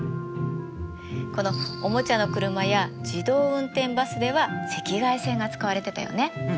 このおもちゃの車や自動運転バスでは赤外線が使われてたよね。